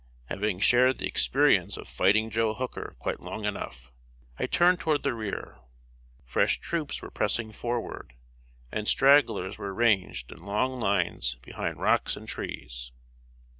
Having shared the experience of "Fighting Joe Hooker" quite long enough, I turned toward the rear. Fresh troops were pressing forward, and stragglers were ranged in long lines behind rocks and trees.